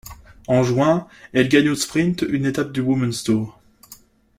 En juin, elle gagne au sprint une étape du Women's Tour.